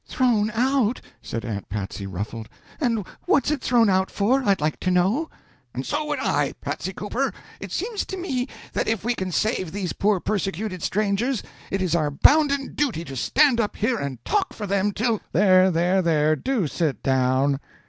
"Thrown out!" said Aunt Patsy, ruffled; "and what's it thrown out for, I'd like to know." "And so would I, Patsy Cooper. It seems to me that if we can save these poor persecuted strangers, it is our bounden duty to stand up here and talk for them till " "There, there, there, do sit down!"